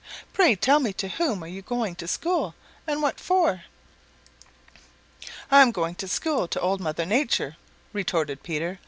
"Pray tell me to whom you are going to school, and what for?" "I'm going to school to Old Mother Nature," retorted Peter.